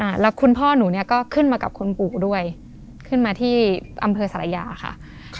แล้วคุณพ่อหนูเนี้ยก็ขึ้นมากับคุณปู่ด้วยขึ้นมาที่อำเภอสารยาค่ะครับ